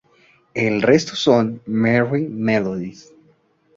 El resto son de Merrie Melodies.